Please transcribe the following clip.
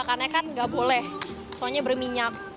karena kan nggak boleh soalnya berminyak